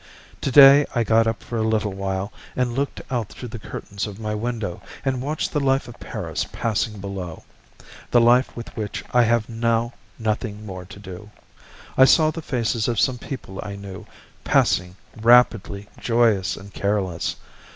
To day I got up for a little while, and looked out through the curtains of my window, and watched the life of Paris passing below, the life with which I have now nothing more to do. I saw the faces of some people I knew, passing rapidly, joyous and careless.